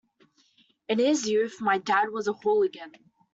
In his youth my dad was a hooligan.